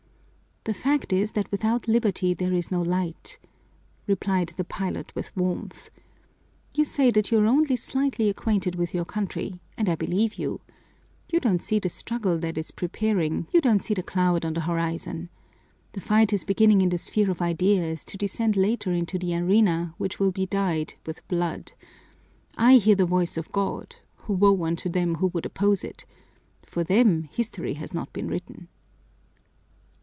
"The fact is that without liberty there is no light," replied the pilot with warmth. "You say that you are only slightly acquainted with your country, and I believe you. You don't see the struggle that is preparing, you don't see the cloud on the horizon. The fight is beginning in the sphere of ideas, to descend later into the arena, which will be dyed with blood. I hear the voice of God woe unto them who would oppose it! For them History has not been written!"